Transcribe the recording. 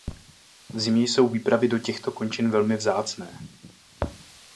V zimě jsou výpravy do těchto končin velmi vzácné.